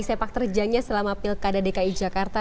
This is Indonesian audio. sepak terjangnya selama pilkada dki jakarta